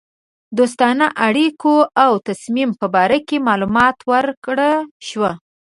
دوستانه اړېکو او تصمیم په باره کې معلومات ورکړه شوه.